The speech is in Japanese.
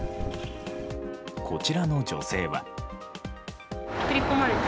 こちらの女性は。